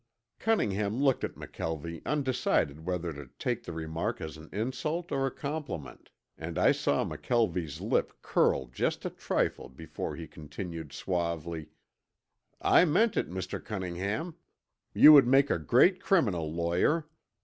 Cunningham looked at McKelvie undecided whether to take the remark as an insult or a compliment, and I saw McKelvie's lip curl just a trifle before he continued suavely, "I meant it, Mr. Cunningham. You would make a great criminal lawyer.